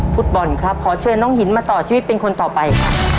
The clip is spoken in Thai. ฟุตบอลครับขอเชิญน้องหินมาต่อชีวิตเป็นคนต่อไปครับ